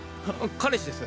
彼氏です。